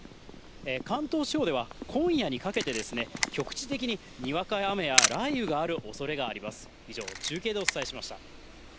関東地方では、今夜にかけて、局地的ににわか雨や雷雨があるおそれがあります。